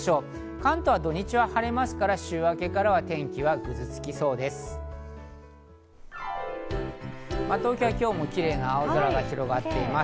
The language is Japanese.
関東は土日は晴れますが週明けからは天気がぐずつきそうです。